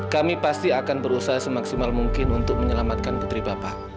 kami pasti akan berusaha semaksimal mungkin untuk menyelamatkan putri bapak